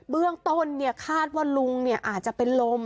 เบื้องต้นคาดว่าลุงอาจจะเป็นลม